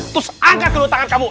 terus angkat dulu tangan kamu